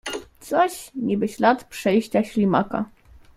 "Coś, niby ślad przejścia ślimaka."